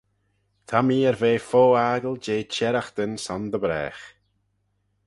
Ta mee er ve fo aggle jeh çherraghtyn son dy bragh.